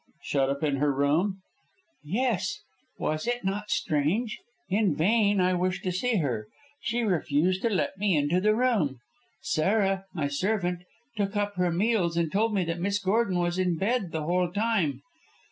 "Shut up in her room?" "Yes. Was it not strange? In vain I wished to see her. She refused to let me into the room. Sarah, my servant, took up her meals and told me that Miss Gordon was in bed the whole time.